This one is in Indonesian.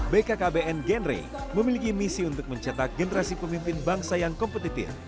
bkkbn genre memiliki misi untuk mencetak generasi pemimpin bangsa yang kompetitif